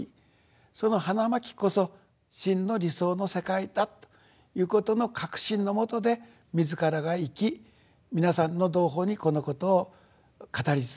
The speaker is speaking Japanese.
その花巻こそ真の理想の世界だということの確信のもとで自らが生き皆さんの同胞にこのことを語り続けていく。